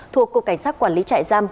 thuộc cục cảnh sát quản lý trại giam